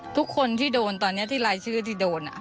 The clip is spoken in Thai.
ทุกคนที่โดนตอนนี้ที่รายชื่อที่โดน